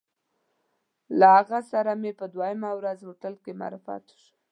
له هغه سره مې په دویمه ورځ هوټل کې معرفت وشو.